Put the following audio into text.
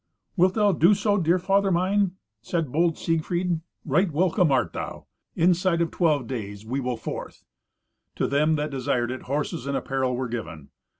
"Wilt thou do so, dear father mine?" said bold Siegfried. "Right welcome art thou. Inside of twelve days we will forth." To them that desired it horses and apparel were given.